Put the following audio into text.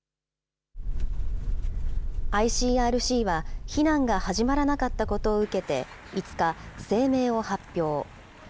ＩＣＲＣは、避難が始まらなかったことを受けて５日、声明を発表。